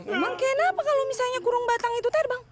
emang kenapa kalau misalnya kurung batang itu terbang